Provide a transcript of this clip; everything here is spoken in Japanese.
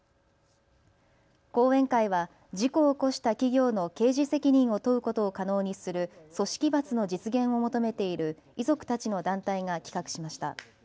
講演会は事故を起こした企業の刑事責任を問うことを可能にする組織罰の実現を求めている遺族たちの団体が企画しました。